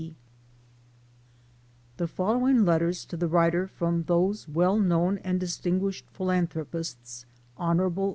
B. The following letters to the writer from those well known and distinguished philanthropists, Hon. PREFACE.